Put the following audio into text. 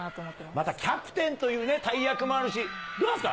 またキャプテンという大役もあるし、どうなんですか？